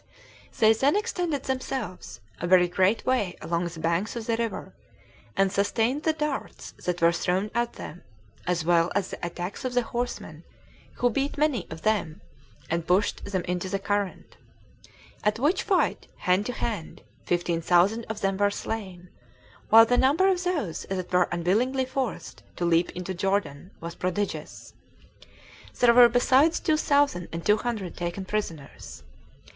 They then extended themselves a very great way along the banks of the river, and sustained the darts that were thrown at them, as well as the attacks of the horsemen, who beat many of them, and pushed them into the current. At which fight, hand to hand, fifteen thousand of them were slain, while the number of those that were unwillingly forced to leap into Jordan was prodigious. There were besides two thousand and two hundred taken prisoners.